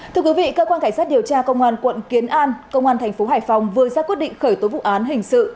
thưa quý vị cơ quan cảnh sát điều tra công an quận kiến an công an thành phố hải phòng vừa ra quyết định khởi tố vụ án hình sự